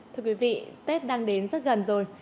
thưa quý vị tết đang đến rất gần rồi